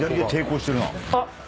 あっ！